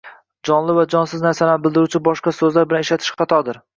Jonli va jonsiz narsalarni bildiruvchi boshqa soʻzlar bilan ishlatish xatodir